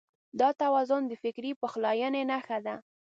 دا توازن د فکري پخلاينې نښه ده.